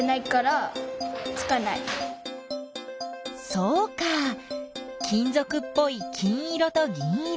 そうか金ぞくっぽい金色と銀色。